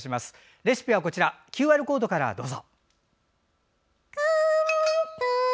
レシピはＱＲコードからどうぞ。